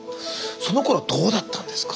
そのころはどうだったんですか？